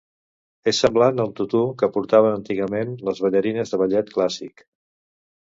És semblant al tutú que portaven antigament les ballarines de ballet clàssic.